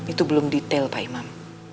itu belum detail pak imam